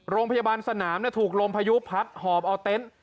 โรงพยาบาลสนามถูกลมพายุพัดหอบเอาเต็นต์